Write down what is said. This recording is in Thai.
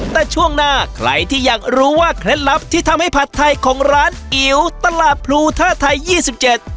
แต่ช่วงหน้าใครที่อยากรู้ว่าเคล็ดลับที่ทำให้ผัดไทยของร้านอิ๋วตลาดพลูท่าไทยยี่สิบเจ็ด